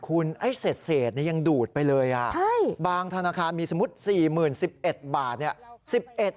คุณไอ้เศษยังดูดไปเลยบางธนาคารมีสมมุติ๔๐๑๑บาทเนี่ย